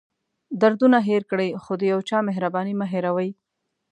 دردونه هېر کړئ خو د یو چا مهرباني مه هېروئ.